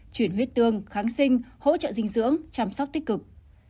chuyển huyết tương kháng sinh hỗ trợ dinh dưỡng chăm sóc tích cực